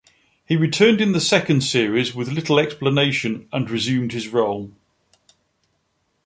He returned in the second series with little explanation and resumed his role.